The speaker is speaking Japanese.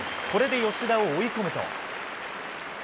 これで吉田を追い込むと。